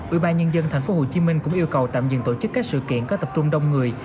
ubnd tp hcm cũng yêu cầu tạm dừng tổ chức các sự kiện có tập trung đông người